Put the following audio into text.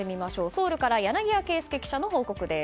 ソウルから柳谷圭亮記者の報告です。